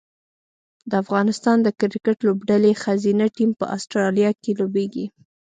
د افغانستان د کرکټ لوبډلې ښځینه ټیم په اسټرالیا کې لوبیږي